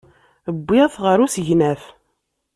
Wwiɣ-t ɣer usegnaf.